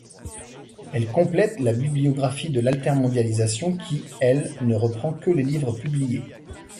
Elle complète la bibliographie de l'altermondialisation qui elle ne reprend que les livres publiés.